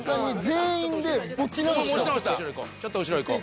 ちょっと後ろいこう。